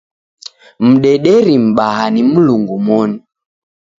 Mdederii mbaha ni Mlungu moni.